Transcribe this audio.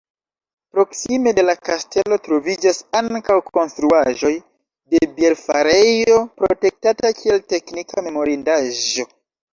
Proksime de la kastelo troviĝas ankaŭ konstruaĵoj de bierfarejo, protektata kiel teknika memorindaĵo.